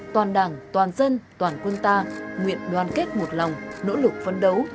toàn đảng toàn dân toàn quân ta nguyện đoàn kết một lòng nỗ lực phấn đấu